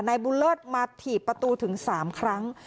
นายบุญเลิศมาถีบประตูถึง๓ครั้ง